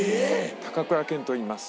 「高倉健といいます」。